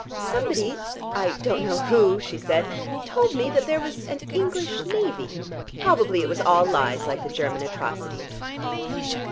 "Somebody, I don't know who," she said, "told me that there was an English navy. Probably it was all lies like the German atrocities."